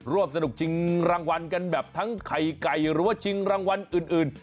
สนุกชิงรางวัลกันแบบทั้งไข่ไก่หรือว่าชิงรางวัลอื่น